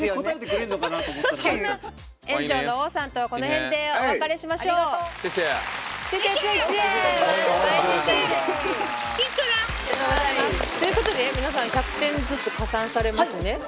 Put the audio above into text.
塩城の王さんとこの辺でお別れしましょう。ということで皆さん１００点ずつ加算されますね。